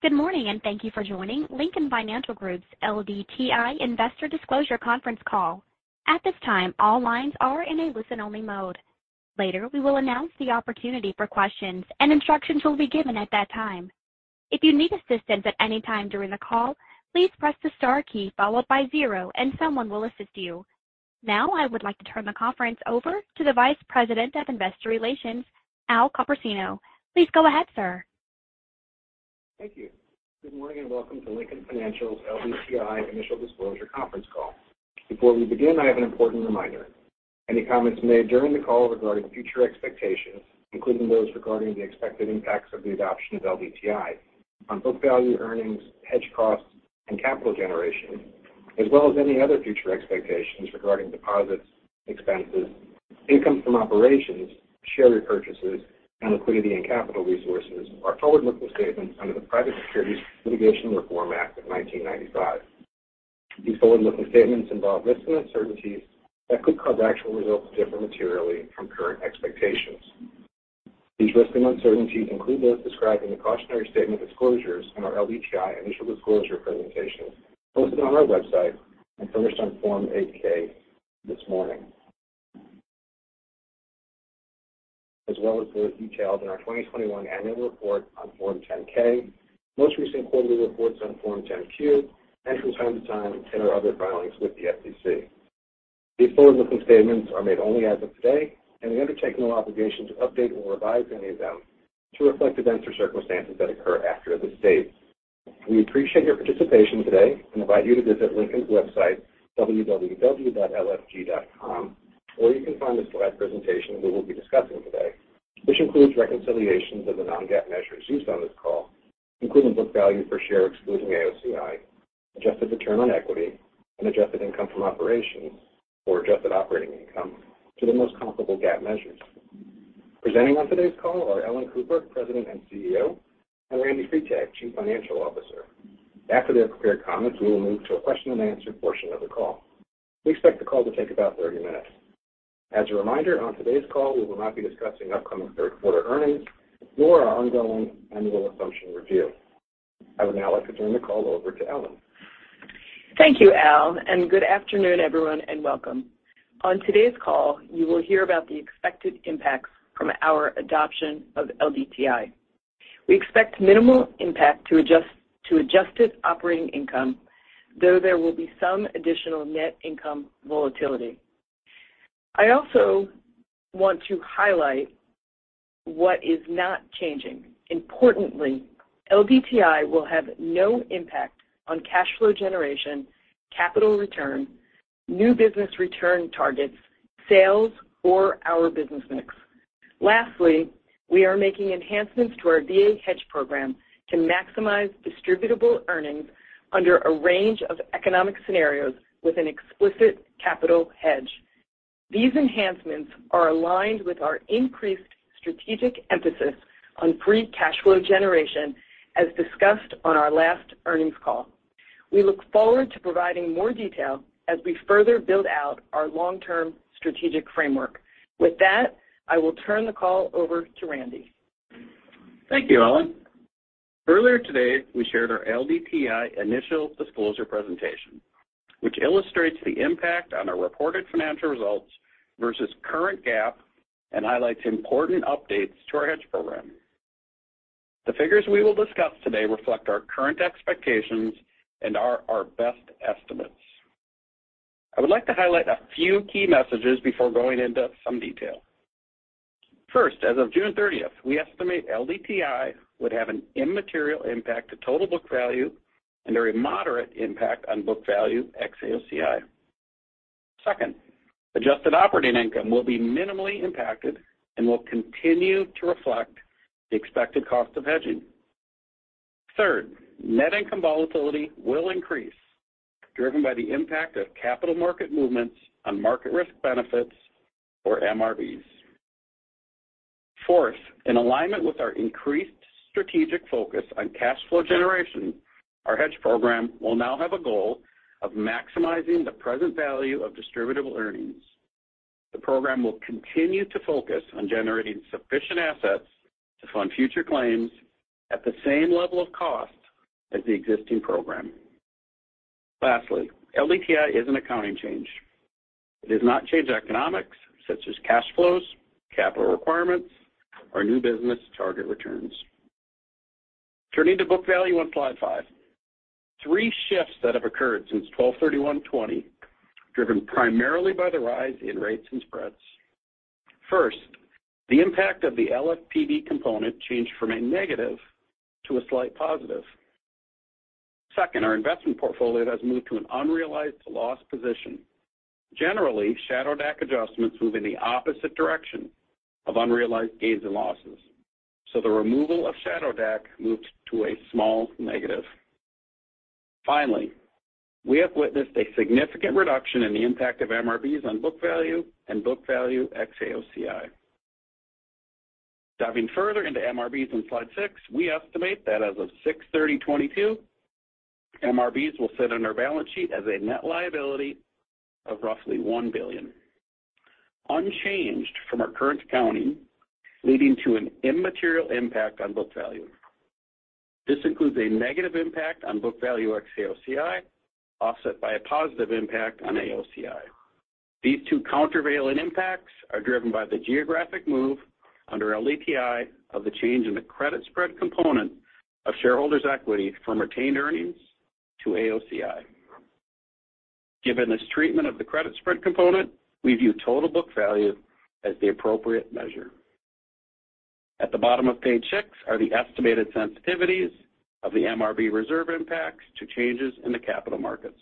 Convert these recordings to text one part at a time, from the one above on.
Good morning, and thank you for joining Lincoln Financial Group's LDTI Investor Disclosure conference call. At this time, all lines are in a listen-only mode. Later, we will announce the opportunity for questions, and instructions will be given at that time. If you need assistance at any time during the call, please press the star key followed by zero, and someone will assist you. Now I would like to turn the conference over to the Vice President of Investor Relations, Al Copersino. Please go ahead, sir. Thank you. Good morning, and welcome to Lincoln Financial's LDTI Initial Disclosure conference call. Before we begin, I have an important reminder. Any comments made during the call regarding future expectations, including those regarding the expected impacts of the adoption of LDTI on book value, earnings, hedge costs, and capital generation, as well as any other future expectations regarding deposits, expenses, income from operations, share repurchases, and liquidity and capital resources are forward-looking statements under the Private Securities Litigation Reform Act of 1995. These forward-looking statements involve risks and uncertainties that could cause actual results to differ materially from current expectations. These risks and uncertainties include those described in the cautionary statement disclosures in our LDTI initial disclosure presentation posted on our website and published on Form 8-K this morning. As well as those detailed in our 2021 annual report on Form 10-K, most recent quarterly reports on Form 10-Q, and from time to time in our other filings with the SEC. These forward-looking statements are made only as of today, and we undertake no obligation to update or revise any of them to reflect events or circumstances that occur after this date. We appreciate your participation today and invite you to visit Lincoln's website, www.lfg.com, where you can find the slide presentation we will be discussing today, which includes reconciliations of the Non-GAAP measures used on this call, including book value per share excluding AOCI, adjusted return on equity, and adjusted income from operations or adjusted operating income to the most comparable GAAP measures. Presenting on today's call are Ellen Cooper, President and Chief Executive Officer, and Randy Freitag, Chief Financial Officer. After their prepared comments, we will move to a question-and-answer portion of the call. We expect the call to take about 30 minutes. As a reminder, on today's call, we will not be discussing upcoming third quarter earnings nor our ongoing annual assumption review. I would now like to turn the call over to Ellen. Thank you, Al, and good afternoon, everyone, and welcome. On today's call, you will hear about the expected impacts from our adoption of LDTI. We expect minimal impact to adjusted operating income, though there will be some additional net income volatility. I also want to highlight what is not changing. Importantly, LDTI will have no impact on cash flow generation, capital return, new business return targets, sales or our business mix. Lastly, we are making enhancements to our VA hedge program to maximize distributable earnings under a range of economic scenarios with an explicit capital hedge. These enhancements are aligned with our increased strategic emphasis on free cash flow generation, as discussed on our last earnings call. We look forward to providing more detail as we further build out our long-term strategic framework. With that, I will turn the call over to Randy. Thank you, Ellen. Earlier today, we shared our LDTI initial disclosure presentation, which illustrates the impact on our reported financial results versus current GAAP and highlights important updates to our hedge program. The figures we will discuss today reflect our current expectations and are our best estimates. I would like to highlight a few key messages before going into some detail. First, as of June thirtieth, we estimate LDTI would have an immaterial impact to total book value and a very moderate impact on book value ex-AOCI. Second, adjusted operating income will be minimally impacted and will continue to reflect the expected cost of hedging. Third, net income volatility will increase, driven by the impact of capital market movements on market risk benefits or MRBs. Fourth, in alignment with our increased strategic focus on cash flow generation, our hedge program will now have a goal of maximizing the present value of distributable earnings. The program will continue to focus on generating sufficient assets to fund future claims at the same level of cost as the existing program. Lastly, LDTI is an accounting change. It does not change economics such as cash flows, capital requirements, or new business target returns. Turning to book value on slide five. Three shifts that have occurred since 12/31/2020, driven primarily by the rise in rates and spreads. First, the impact of the LFPB component changed from a negative to a slight positive. Second, our investment portfolio has moved to an unrealized loss position. Generally, shadow DAC adjustments move in the opposite direction of unrealized gains and losses, so the removal of shadow DAC moves to a small negative. Finally, we have witnessed a significant reduction in the impact of MRBs on book value and book value ex-AOCI. Diving further into MRBs on slide six, we estimate that as of June 30th, 2022, MRBs will sit on our balance sheet as a net liability of roughly $1 billion. Unchanged from our current accounting, leading to an immaterial impact on book value. This includes a negative impact on book value ex-AOCI, offset by a positive impact on AOCI. These two countervailing impacts are driven by the reclassification under LDTI of the change in the credit spread component of shareholders' equity from retained earnings to AOCI. Given this treatment of the credit spread component, we view total book value as the appropriate measure. At the bottom of page six are the estimated sensitivities of the MRB reserve impacts to changes in the capital markets.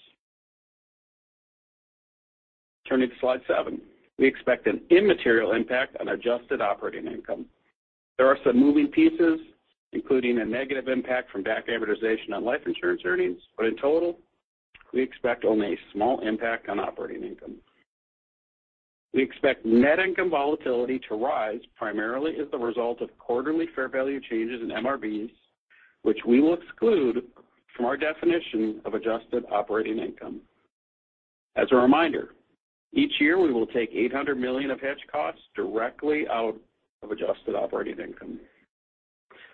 Turning to slide seven. We expect an immaterial impact on adjusted operating income. There are some moving pieces, including a negative impact from back amortization on life insurance earnings. In total, we expect only a small impact on operating income. We expect net income volatility to rise primarily as the result of quarterly fair value changes in MRBs, which we will exclude from our definition of adjusted operating income. As a reminder, each year, we will take $800 million of hedge costs directly out of adjusted operating income.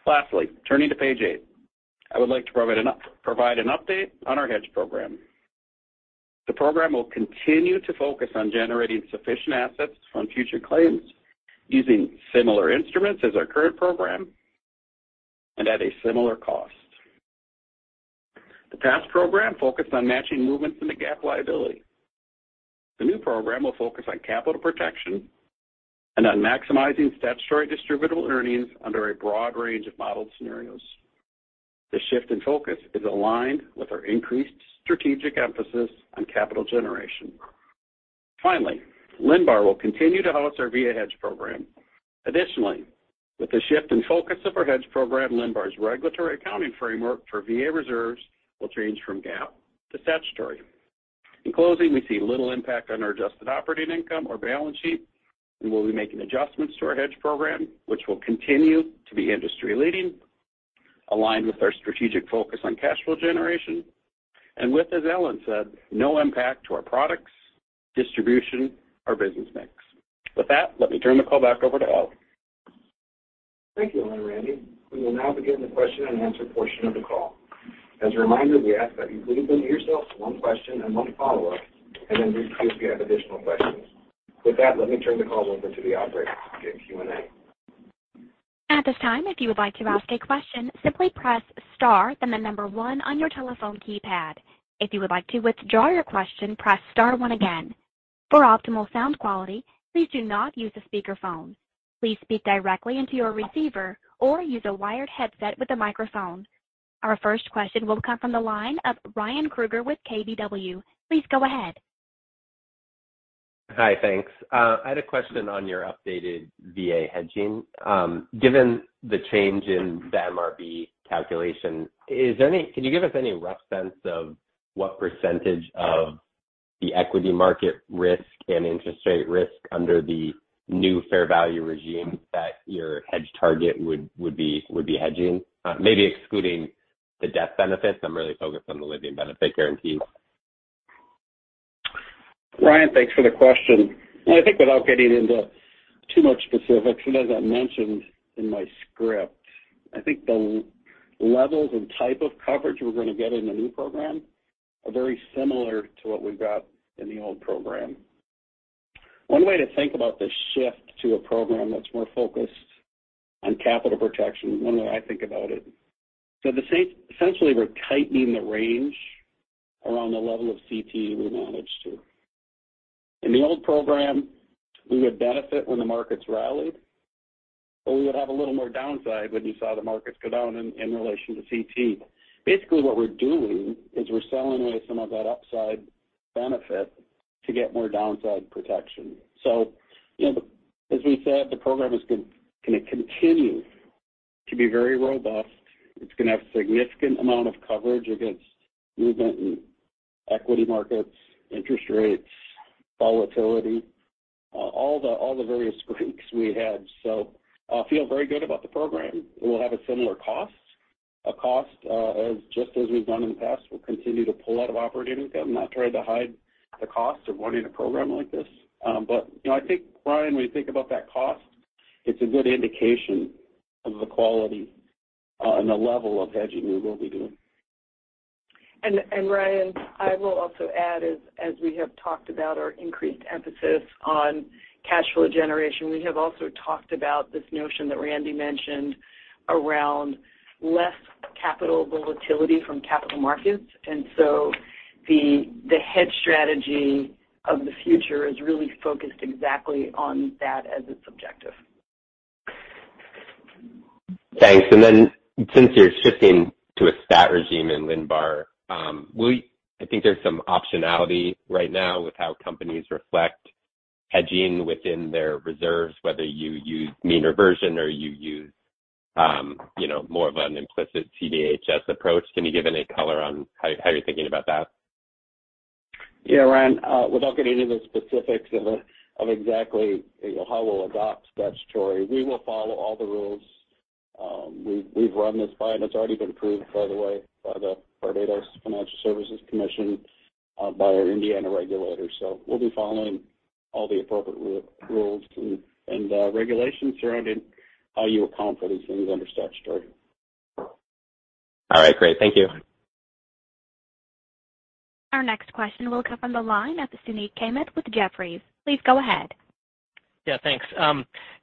Lastly, turning to page eight, I would like to provide an update on our hedge program. The program will continue to focus on generating sufficient assets from future claims using similar instruments as our current program and at a similar cost. The past program focused on matching movements in the GAAP liability. The new program will focus on capital protection and on maximizing statutory distributable earnings under a broad range of modeled scenarios. The shift in focus is aligned with our increased strategic emphasis on capital generation. Finally, LINBAR will continue to host our VA hedge program. Additionally, with the shift in focus of our hedge program, LINBAR's regulatory accounting framework for VA reserves will change from GAAP to statutory. In closing, we see little impact on our adjusted operating income or balance sheet, and we'll be making adjustments to our hedge program, which will continue to be industry-leading, aligned with our strategic focus on cash flow generation, and with, as Ellen said, no impact to our products, distribution, or business mix. With that, let me turn the call back over to Al. Thank you, Ellen and Randy. We will now begin the question and answer portion of the call. As a reminder, we ask that you please limit yourself to one question and one follow-up, and then we see if you have additional questions. With that, let me turn the call over to the operator to begin Q&A. At this time, if you would like to ask a question, simply press Star, then the number one on your telephone keypad. If you would like to withdraw your question, press Star one again. For optimal sound quality, please do not use a speakerphone. Please speak directly into your receiver or use a wired headset with a microphone. Our first question will come from the line of Ryan Krueger with KBW. Please go ahead. Hi. Thanks. I had a question on your updated VA hedging. Given the change in the MRB calculation, can you give us any rough sense of what percentage of the equity market risk and interest rate risk under the new fair value regime that your hedge target would be hedging? Maybe excluding the death benefits. I'm really focused on the living benefit guarantees. Ryan, thanks for the question. I think without getting into too much specifics, and as I mentioned in my script, I think the levels and type of coverage we're gonna get in the new program are very similar to what we got in the old program. One way to think about the shift to a program that's more focused on capital protection, one way I think about it, so essentially, we're tightening the range around the level of CTE we manage to. In the old program, we would benefit when the markets rallied, but we would have a little more downside when you saw the markets go down in relation to CTE. Basically, what we're doing is we're selling away some of that upside benefit to get more downside protection. You know, as we said, the program is gonna continue to be very robust. It's gonna have significant amount of coverage against movement in equity markets, interest rates, volatility, all the various Greeks we had. I feel very good about the program. We'll have a similar cost just as we've done in the past, we'll continue to pull out of operating income, not trying to hide the cost of running a program like this. But, you know, I think, Ryan, when you think about that cost, it's a good indication of the quality and the level of hedging we will be doing. Ryan, I will also add, as we have talked about our increased emphasis on cash flow generation, we have also talked about this notion that Randy mentioned around less capital volatility from capital markets. The hedge strategy of the future is really focused exactly on that as its objective. Thanks. Since you're shifting to a stat regime in LINBAR, I think there's some optionality right now with how companies reflect hedging within their reserves, whether you use mean reversion or you use, you know, more of an implicit CDHS approach. Can you give any color on how you're thinking about that? Yeah, Ryan, without getting into the specifics of exactly, you know, how we'll adopt statutory, we will follow all the rules. We've run this by, and it's already been approved, by the way, by the Nevada Division of Insurance, by our Indiana regulators. We'll be following all the appropriate rules and regulations surrounding how you account for these things under statutory. All right, great. Thank you. Our next question will come from the line of Suneet Kamath with Jefferies. Please go ahead. Yeah, thanks.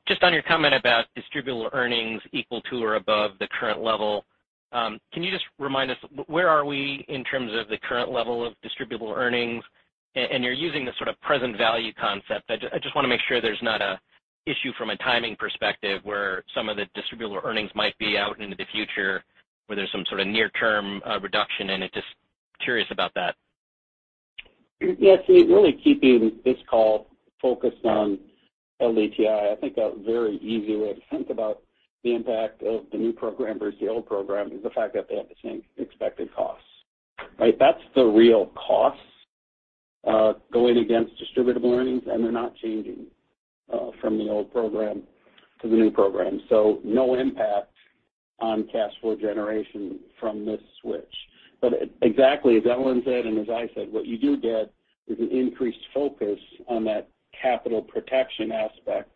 Just on your comment about distributable earnings equal to or above the current level, can you just remind us where are we in terms of the current level of distributable earnings? And you're using this sort of present value concept. I just wanna make sure there's not a issue from a timing perspective where some of the distributable earnings might be out into the future, where there's some sort of near term reduction in it. Just curious about that. Yeah. See, really keeping this call focused on LDTI, I think a very easy way to think about the impact of the new program versus the old program is the fact that they have the same expected costs, right? That's the real cost, going against distributable earnings, and they're not changing, from the old program to the new program. No impact on cash flow generation from this switch. Exactly as Ellen said, and as I said, what you do get is an increased focus on that capital protection aspect,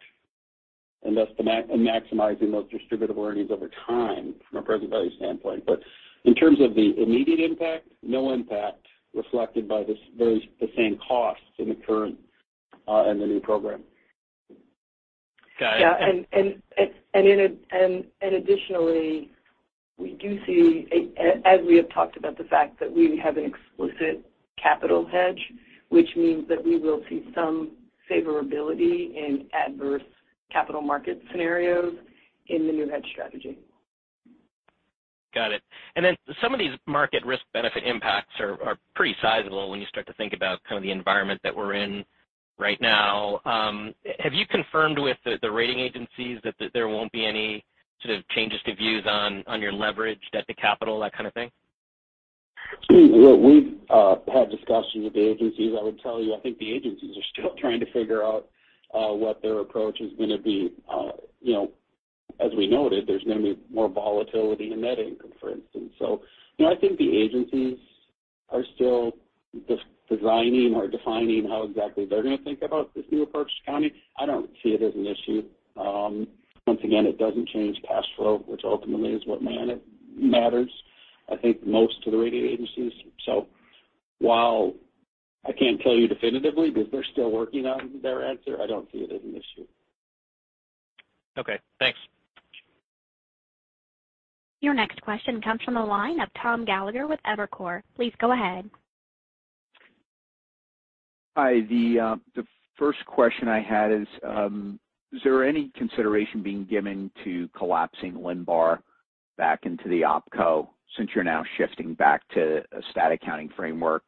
and thus the and maximizing those distributable earnings over time from a present value standpoint. In terms of the immediate impact, no impact reflected by those, the same costs in the current, and the new program. Got it. Additionally, we do see as we have talked about the fact that we have an explicit capital hedge, which means that we will see some favorability in adverse capital market scenarios in the new hedge strategy. Got it. Some of these market risk benefit impacts are pretty sizable when you start to think about kind of the environment that we're in right now. Have you confirmed with the rating agencies that there won't be any sort of changes to views on your leverage, debt to capital, that kind of thing? We've had discussions with the agencies. I would tell you, I think the agencies are still trying to figure out what their approach is gonna be. You know, as we noted, there's gonna be more volatility in net income, for instance. You know, I think the agencies are still deciding or defining how exactly they're gonna think about this new approach to accounting. I don't see it as an issue. Once again, it doesn't change cash flow, which ultimately is what matters, I think, most to the rating agencies. While I can't tell you definitively because they're still working on their answer, I don't see it as an issue. Okay, thanks. Your next question comes from the line of Tom Gallagher with Evercore. Please go ahead. Hi. The first question I had is there any consideration being given to collapsing LINBAR back into the opco since you're now shifting back to a stat accounting framework?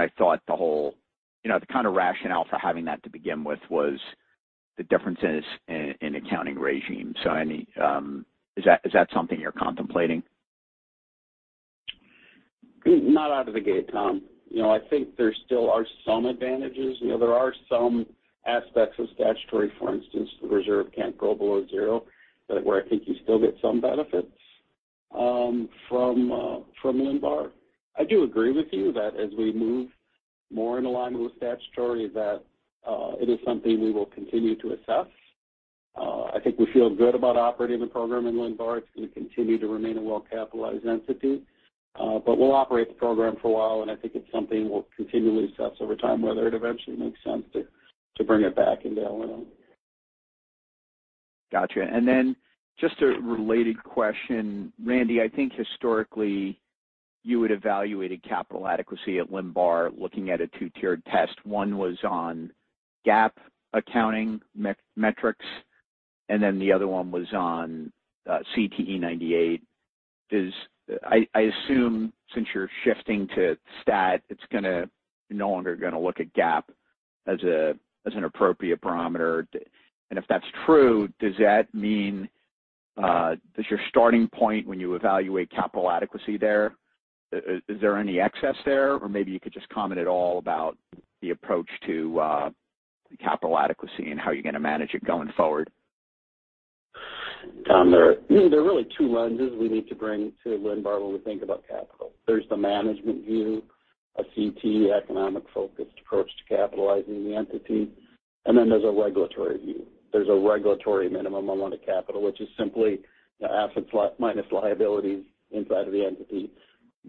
I thought the whole, you know, the kind of rationale for having that to begin with was the differences in accounting regime. Is that something you're contemplating? Not out of the gate, Tom. You know, I think there still are some advantages. You know, there are some aspects of statutory, for instance, the reserve can't go below zero, that where I think you still get some benefits from LINBAR. I do agree with you that as we move more in alignment with statutory that it is something we will continue to assess. I think we feel good about operating the program in LINBAR. It's going to continue to remain a well-capitalized entity. We'll operate the program for a while, and I think it's something we'll continually assess over time whether it eventually makes sense to bring it back into LNC. Gotcha. Then just a related question. Randy, I think historically you had evaluated capital adequacy at LINBAR looking at a two-tiered test. One was on GAAP accounting metrics, and then the other one was on CTE 98. I assume since you're shifting to stat, you're no longer gonna look at GAAP as an appropriate barometer. If that's true, does that mean your starting point when you evaluate capital adequacy there, is there any excess there? Or maybe you could just comment at all about the approach to capital adequacy and how you're gonna manage it going forward. Tom, there are really two lenses we need to bring to LINBAR when we think about capital. There's the management view, a CTE economic-focused approach to capitalizing the entity, and then there's a regulatory view. There's a regulatory minimum amount of capital, which is simply the assets minus liabilities inside of the entity.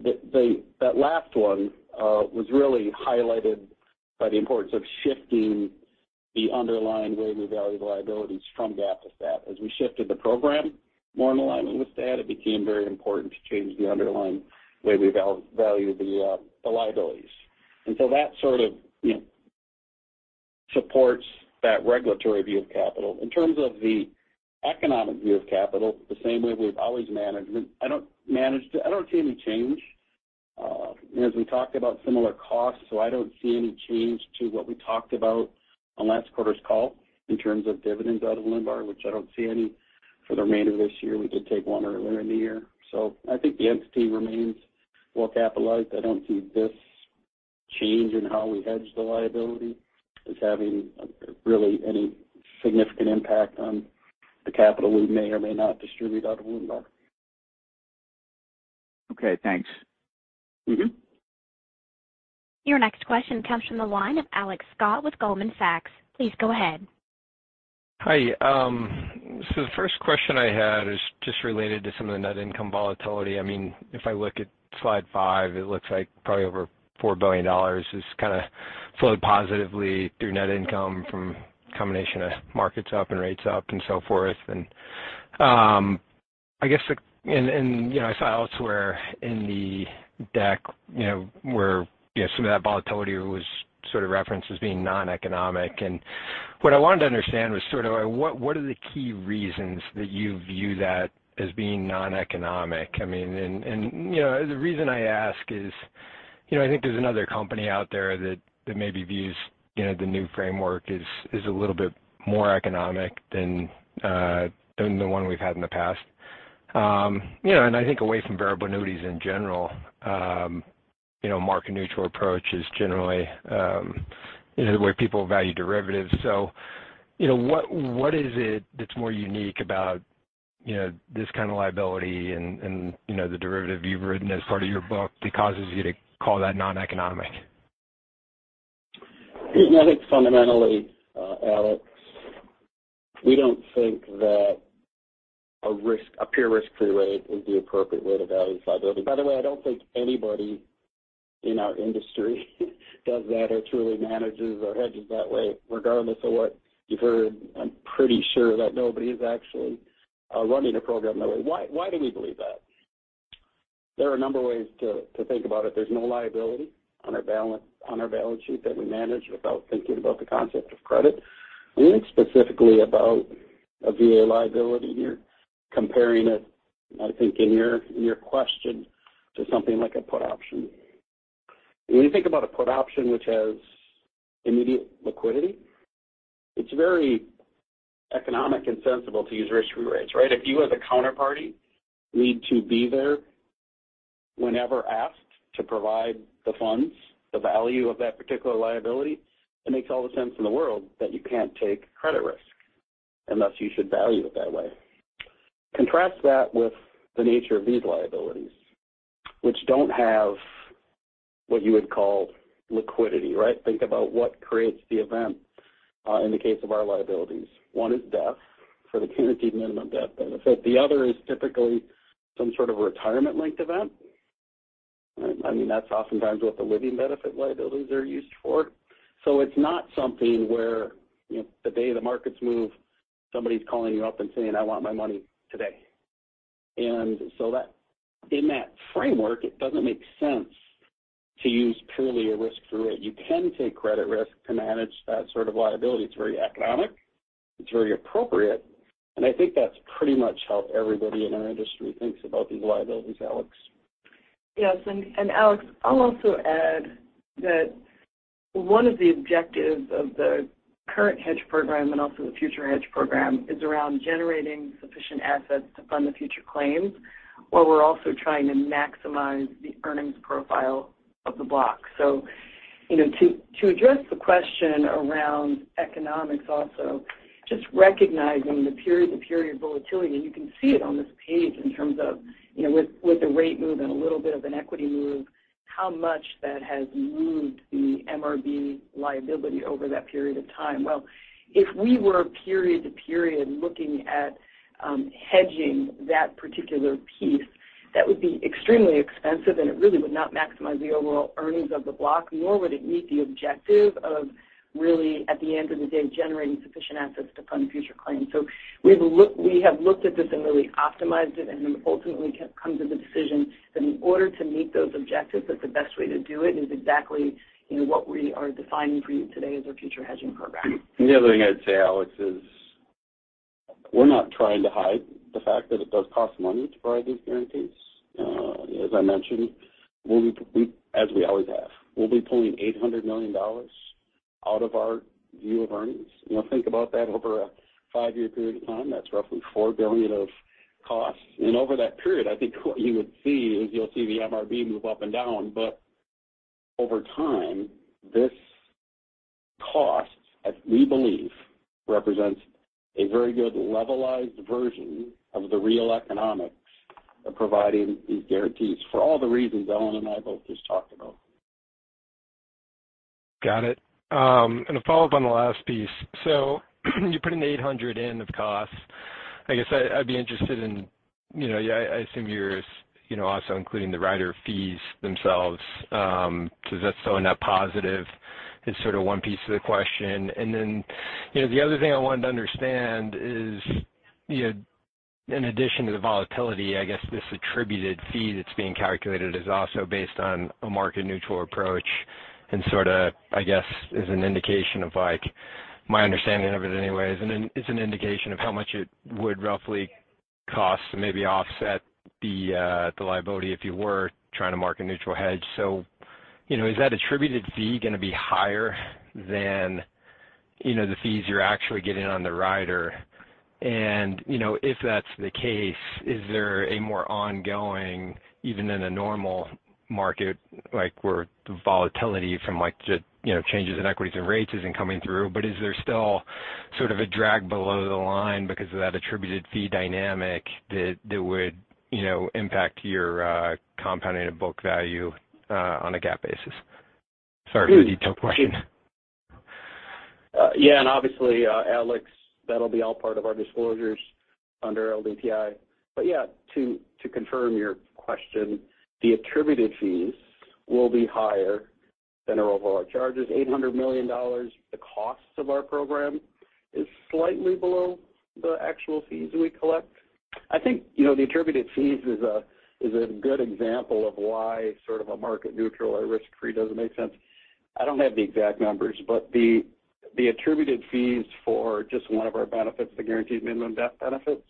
That last one was really highlighted by the importance of shifting the underlying way we value the liabilities from GAAP to stat. As we shifted the program more in alignment with stat, it became very important to change the underlying way we value the liabilities. And so that sort of, you know, supports that regulatory view of capital. In terms of the economic view of capital, the same way we've always managed. I don't see any change. As we talked about similar costs, I don't see any change to what we talked about on last quarter's call in terms of dividends out of LINBAR, which I don't see any for the remainder of this year. We did take one earlier in the year. I think the entity remains well capitalized. I don't see this change in how we hedge the liability is having really any significant impact on the capital we may or may not distribute out of LINBAR. Okay, thanks. Mm-hmm. Your next question comes from the line of Alex Scott with Goldman Sachs. Please go ahead. Hi. The first question I had is just related to some of the net income volatility. I mean, if I look at slide five, it looks like probably over $4 billion is kinda flowed positively through net income from a combination of markets up and rates up and so forth. I guess you know I saw elsewhere in the deck, you know, where, you know, some of that volatility was sort of referenced as being non-economic. What I wanted to understand was sort of what are the key reasons that you view that as being non-economic? I mean, you know, the reason I ask is, you know, I think there's another company out there that maybe views, you know, the new framework as a little bit more economic than the one we've had in the past. You know, and I think away from variable annuities in general, you know, market neutral approach is generally the way people value derivatives. You know, what is it that's more unique about, you know, this kind of liability and, you know, the derivative you've written as part of your book that causes you to call that noneconomic? I think fundamentally, Alex, we don't think that a risk, a pure risk-free rate is the appropriate way to value this liability. By the way, I don't think anybody in our industry does that or truly manages or hedges that way, regardless of what you've heard. I'm pretty sure that nobody is actually running a program that way. Why do we believe that? There are a number of ways to think about it. There's no liability on our balance sheet that we manage without thinking about the concept of credit. I mean, specifically about a VA liability here, comparing it, I think in your question to something like a put option. When you think about a put option which has immediate liquidity, it's very economic and sensible to use risk-free rates, right? If you as a counterparty need to be there whenever asked to provide the funds, the value of that particular liability, it makes all the sense in the world that you can't take credit risk, and thus you should value it that way. Contrast that with the nature of these liabilities, which don't have what you would call liquidity, right? Think about what creates the event in the case of our liabilities. One is death for the guaranteed minimum death benefit. The other is typically some sort of retirement-linked event. I mean, that's oftentimes what the living benefit liabilities are used for. So it's not something where, you know, the day the markets move, somebody's calling you up and saying, "I want my money today." In that framework, it doesn't make sense to use purely a risk-free rate. You can take credit risk to manage that sort of liability. It's very economic, it's very appropriate, and I think that's pretty much how everybody in our industry thinks about these liabilities, Alex. Yes. Alex, I'll also add that one of the objectives of the current hedge program and also the future hedge program is around generating sufficient assets to fund the future claims, while we're also trying to maximize the earnings profile of the block. You know, to address the question around economics also, just recognizing the period-to-period volatility, and you can see it on this page in terms of, you know, with the rate move and a little bit of an equity move, how much that has moved the MRB liability over that period of time. Well, if we were period to period looking at hedging that particular piece, that would be extremely expensive, and it really would not maximize the overall earnings of the block, nor would it meet the objective of really, at the end of the day, generating sufficient assets to fund future claims. We have looked at this and really optimized it and then ultimately come to the decision that in order to meet those objectives, that the best way to do it is exactly, you know, what we are defining for you today as our future hedging program. The other thing I'd say, Alex, is we're not trying to hide the fact that it does cost money to provide these guarantees. As I mentioned, as we always have, we'll be pulling $800 million out of our view of earnings. You know, think about that over a five-year period of time. That's roughly $4 billion of costs. Over that period, I think what you would see is you'll see the MRB move up and down. Over time, this cost, as we believe, represents a very good levelized version of the real economics of providing these guarantees for all the reasons Ellen and I both just talked about. Got it. A follow-up on the last piece. You're putting $800 million in of costs. I guess I'd be interested in, you know, I assume you're also including the rider fees themselves, so is that still a net positive? That's sort of one piece of the question. Then, you know, the other thing I wanted to understand is, you know, in addition to the volatility, I guess this attributed fee that's being calculated is also based on a market neutral approach and sort of, I guess, is an indication of, like, my understanding of it anyway is it's an indication of how much it would roughly cost to maybe offset the liability if you were trying to market neutral hedge. You know, is that attributed fee gonna be higher than you know, the fees you're actually getting on the rider. You know, if that's the case, is there a more ongoing, even in a normal market, like where the volatility from like just, you know, changes in equities and rates isn't coming through. Is there still sort of a drag below the line because of that attributed fee dynamic that would, you know, impact your compounded book value on a GAAP basis? Sorry for the detailed question. Yeah. Obviously, Alex, that'll be all part of our disclosures under LDTI. Yeah, to confirm your question, the attributed fees will be higher than our overall charges, $800 million. The costs of our program is slightly below the actual fees we collect. I think, you know, the attributed fees is a good example of why sort of a market neutral or risk-free doesn't make sense. I don't have the exact numbers, but the attributed fees for just one of our benefits, the guaranteed minimum death benefits.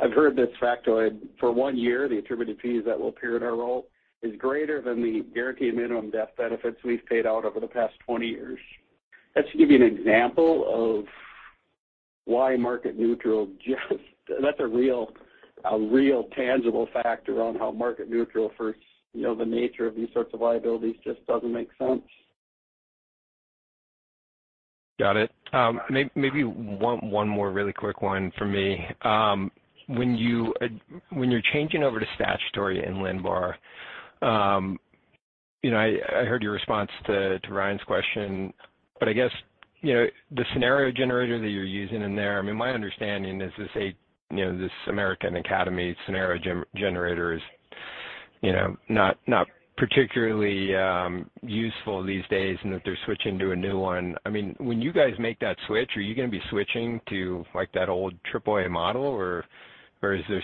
I've heard this factoid. For 1 year, the attributed fees that will appear in our role is greater than the guaranteed minimum death benefits we've paid out over the past 20 years. That should give you an example of why market neutral just. That's a real tangible factor on how market neutral, for you know, the nature of these sorts of liabilities just doesn't make sense. Got it. Maybe one more really quick one for me. When you're changing over to statutory in LINBAR, you know, I heard your response to Ryan's question. I guess, you know, the scenario generator that you're using in there, I mean, my understanding is that this American Academy scenario generator is, you know, not particularly useful these days and that they're switching to a new one. I mean, when you guys make that switch, are you gonna be switching to like that old triple A model, or is there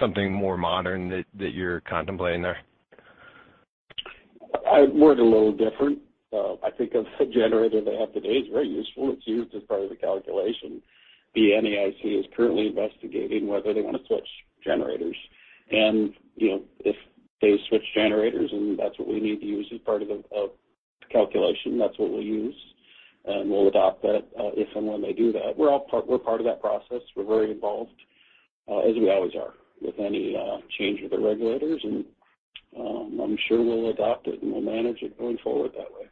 something more modern that you're contemplating there? It works a little different. I think the generator they have today is very useful. It's used as part of the calculation. The NAIC is currently investigating whether they wanna switch generators. You know, if they switch generators, and that's what we need to use as part of the calculation, that's what we'll use, and we'll adopt that if and when they do that. We're part of that process. We're very involved as we always are with any change with the regulators. I'm sure we'll adopt it, and we'll manage it going forward that way.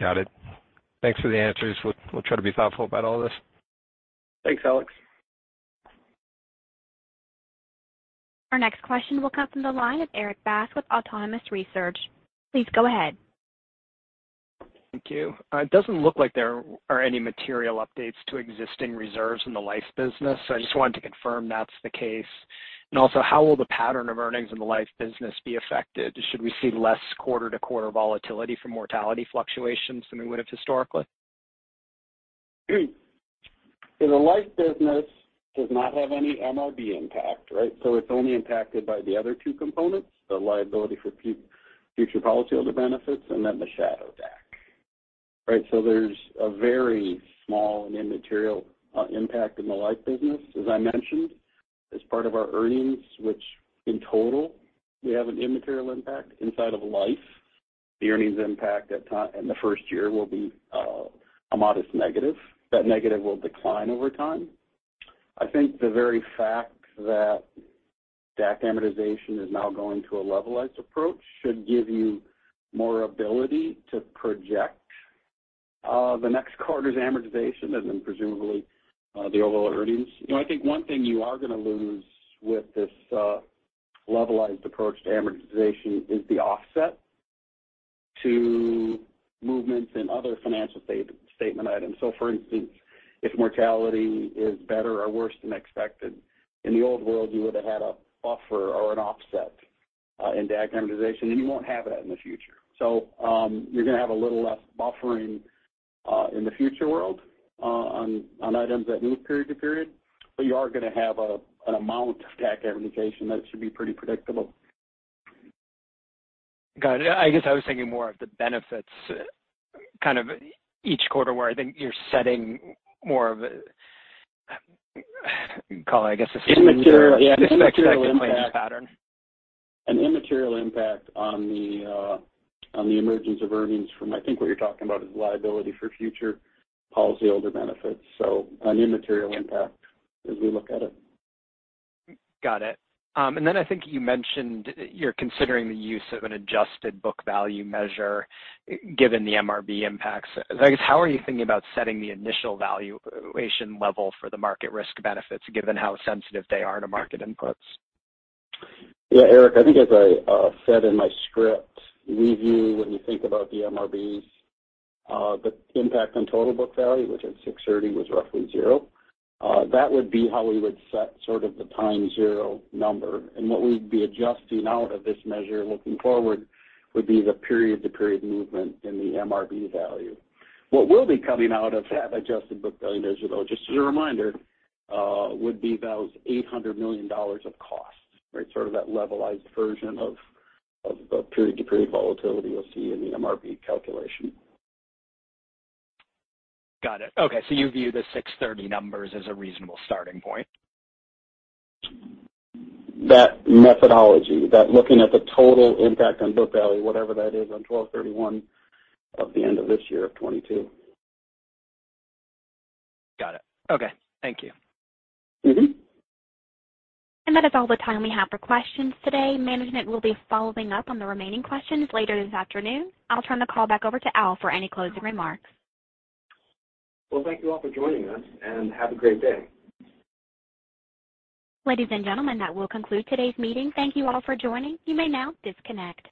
Got it. Thanks for the answers. We'll try to be thoughtful about all this. Thanks, Alex. Our next question will come from the line of Erik Bass with Autonomous Research. Please go ahead. Thank you. It doesn't look like there are any material updates to existing reserves in the life business. So I just wanted to confirm that's the case. Also, how will the pattern of earnings in the life business be affected? Should we see less quarter-to-quarter volatility from mortality fluctuations than we would have historically? The life business does not have any MRB impact, right? It's only impacted by the other two components, the liability for future policyholder benefits and then the shadow DAC. Right? There's a very small and immaterial impact in the life business. As I mentioned, as part of our earnings, which in total we have an immaterial impact inside of life. The earnings impact in the first year will be a modest negative. That negative will decline over time. I think the very fact that DAC amortization is now going to a levelized approach should give you more ability to project the next quarter's amortization and then presumably the overall earnings. You know, I think one thing you are gonna lose with this levelized approach to amortization is the offset to movements in other financial statement items. For instance, if mortality is better or worse than expected, in the old world, you would've had a buffer or an offset in DAC amortization, and you won't have that in the future. You're gonna have a little less buffering in the future world on items that move period to period, but you are gonna have an amount of DAC amortization that should be pretty predictable. Got it. I guess I was thinking more of the benefits kind of each quarter where I think you're setting more of a, call it, I guess, a. Immaterial. Yeah. Expect to claim this pattern. An immaterial impact on the emergence of earnings from, I think, what you're talking about is liability for future policyholder benefits. An immaterial impact as we look at it. Got it. I think you mentioned you're considering the use of an adjusted book value measure given the MRB impacts. I guess, how are you thinking about setting the initial valuation level for the market risk benefits given how sensitive they are to market inputs? Yeah, Erik, I think as I said in my script, we view when you think about the MRBs, the impact on total book value, which at six thirty was roughly zero, that would be how we would set sort of the time zero number. What we'd be adjusting out of this measure looking forward would be the period-to-period movement in the MRB value. What will be coming out of that adjusted book value measure, though, just as a reminder, would be those $800 million of costs, right? Sort of that levelized version of period-to-period volatility you'll see in the MRB calculation. Got it. Okay. You view the $ 630 million numbers as a reasonable starting point. That methodology, that looking at the total impact on book value, whatever that is on December 31st of the end of this year of 2022. Got it. Okay. Thank you. Mm-hmm. That is all the time we have for questions today. Management will be following up on the remaining questions later this afternoon. I'll turn the call back over to Al for any closing remarks. Well, thank you all for joining us, and have a great day. Ladies and gentlemen, that will conclude today's meeting. Thank you all for joining. You may now disconnect.